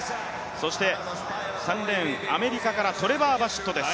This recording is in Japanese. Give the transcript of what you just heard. そして３レーン、アメリカからトレバー・バシットです。